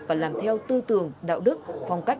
và làm theo tư tưởng đạo đức phong cách